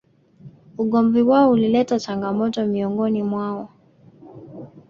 Ugomvi wao ulileta changamoto miongoni mwao